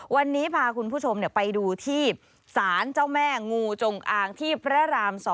วันนี้พาคุณผู้ชมไปดูที่สารเจ้าแม่งูจงอางที่พระราม๒